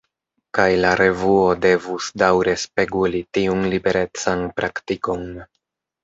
Kaj la revuo devus daŭre “speguli” tiun liberecan praktikon.